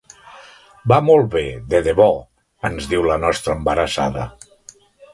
“Va molt bé, de debò”, ens diu la nostra embarassada.